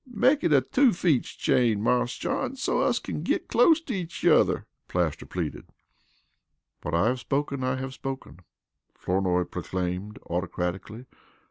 "Make it a two feets chain, Marse John, so us kin git clost to each yuther," Plaster pleaded. "What I have spoken I have spoken," Flournoy proclaimed autocratically.